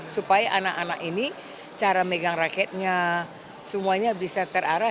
supaya anak anak ini cara megang raketnya semuanya bisa terarah